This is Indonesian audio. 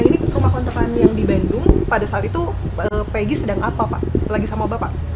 nah ini rumah kontrakan yang di bandung pada saat itu peggy sedang apa pak